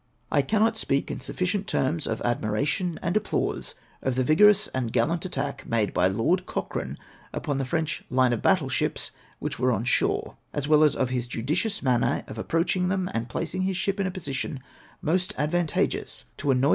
I cannot speak in sufficient terms of admiration and ap plause of the vigorous and gallant attack made by Lord Cochrane upon the French line of battle ships which were on shore, as well as of his judicious manner of approaching them, and placing his ship in a position most advantageous to annoy O D 3 406 APPENDIX I.